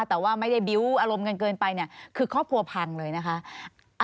แต่ว่าไม่ได้บิ้วอารมณ์กันเกินไปเนี่ยคือครอบครัวพังเลยนะคะ